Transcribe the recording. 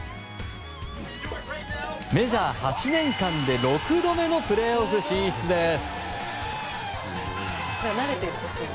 メジャー８年間で６度目のプレーオフ進出です。